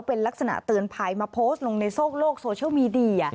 เป็นลักษณะเตือนภัยมาพอสต์ลงในโซเชัลมีดี